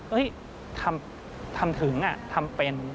ทำถึงทำเป็น